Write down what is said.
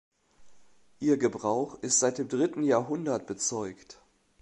Ihr Gebrauch ist seit dem dritten Jahrhundert bezeugt.